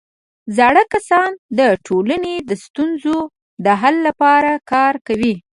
زاړه کسان د ټولنې د ستونزو د حل لپاره کار کوي